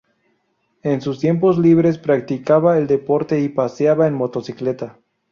En sus tiempos libres practicaba el deporte y paseaba en motocicleta.